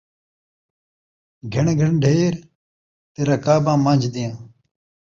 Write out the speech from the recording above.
گھݨ گھݨ ڈھیر تے رکاباں من٘ڄ دیاں